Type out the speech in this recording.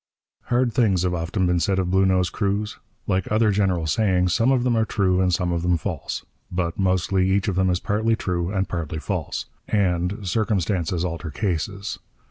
] Hard things have often been said of Bluenose crews. Like other general sayings, some of them are true and some of them false. But, mostly, each of them is partly true and partly false: and 'circumstances alter cases.'